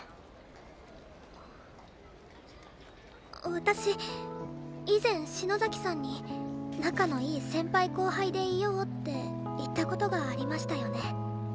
私以前篠崎さんに「仲のいい先輩後輩でいよう」って言った事がありましたよね。